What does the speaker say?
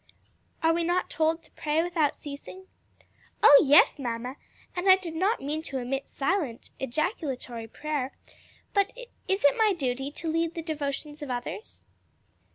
"Are we not told to pray without ceasing?" "Oh yes, mamma! and I did not mean to omit silent, ejaculatory prayer; but is it my duty to lead the devotions of others?"